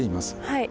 はい。